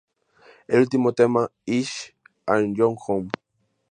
El último tema, "Is Anyone Home?